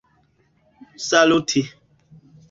saluti